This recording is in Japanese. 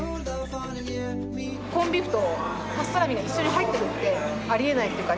コンビーフとパストラミが一緒に入ってるってありえないっていうか